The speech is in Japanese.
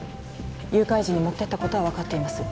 誘拐時に持ってったことは分かっています